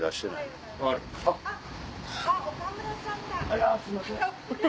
あらすいません。